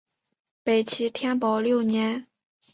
北齐天保六年。